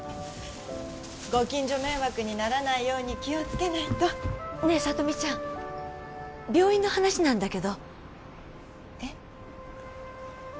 ご近所迷惑にならないように気をつけないとねえ聡美ちゃん病院の話なんだけどえっ？